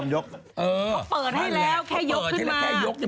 ถ้าเปิดให้แล้วแค่ยกขึ้นมา